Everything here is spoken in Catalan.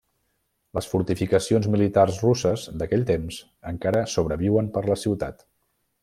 Les fortificacions militars russes d'aquell temps encara sobreviuen per la ciutat.